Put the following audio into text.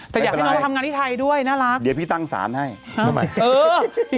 แต่อยากให้น้องทำงานที่ไทยด้วยน่ารัก